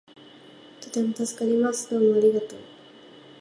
とても助かります。どうもありがとう